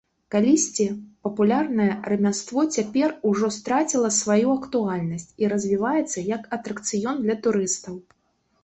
Калісьці папулярнае рамяство цяпер ужо страціла сваю актуальнасць і развіваецца як атракцыён для турыстаў.